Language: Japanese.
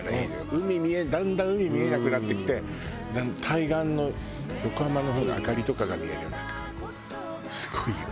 海だんだん海見えなくなってきて対岸の横浜の方の明かりとかが見えるのとかすごいいいわよ。